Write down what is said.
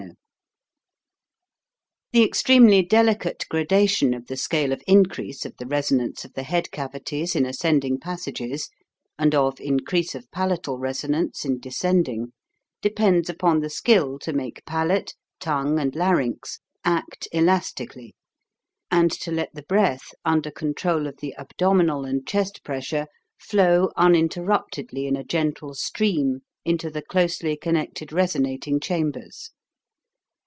(See the plates.) 60 HOW TO SING The extremely delicate gradation of the scale of increase of the resonance of the head cavities in ascending passages, and of increase of palatal resonance in descending, depends upon the skill to make palate, tongue, and larynx act elastically, and to let the breath, under control of the abdominal and chest press ure, flow uninterruptedly in a gentle stream into the closely connected resonating cham bers.